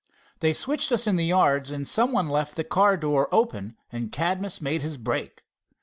They switched us in the yards, and some one left the car door open, and Cadmus made his break."